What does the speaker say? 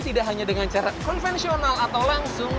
tidak hanya dengan cara konvensional atau langsung